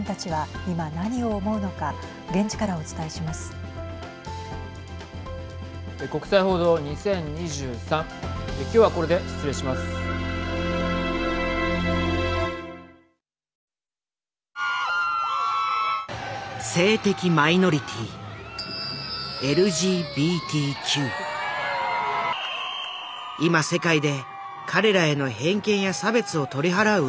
今世界で彼らへの偏見や差別を取り払う運動が進んでいる。